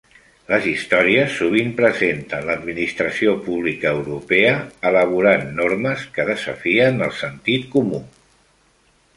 Les històries sovint presenten l'administració pública europea elaborant normes que "desafien el sentit comú".